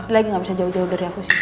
lagi gak bisa jauh jauh dari aku sih